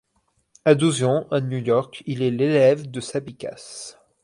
À douze ans, à New-York, il est l'élève de Sabicas.